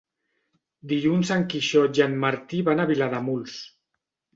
Dilluns en Quixot i en Martí van a Vilademuls.